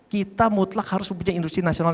kita mutlak harus mempunyai industri nasional